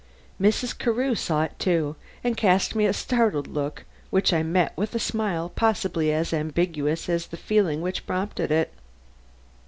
Mrs. Carew saw it too and cast me a startled look which I met with a smile possibly as ambiguous as the feeling which prompted it.